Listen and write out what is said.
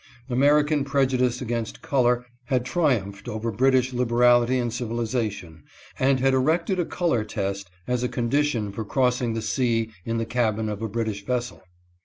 American prejudice against color had triumphed over British liberality and civilization, and had erected a color test as a condition for crossing the sea in the cabin of a British vessel.